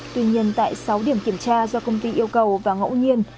tuy nhiên tại sáu điểm kiểm tra do công ty yêu cầu và ngẫu nhiên